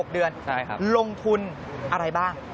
๖เดือนลงทุนอะไรบ้าง